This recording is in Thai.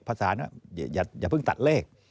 ภาษาว่าอย่าเพิ่งตัดเลข